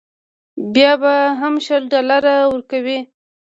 بیا به هم شل ډالره ورکوې.